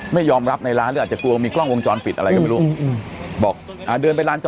ไม่ยอมรับในร้านหรืออาจจะกลัวมีกล้องวงจรปิดอะไรก็ไม่รู้